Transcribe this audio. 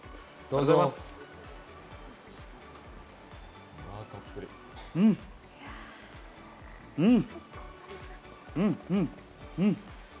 うん、うん！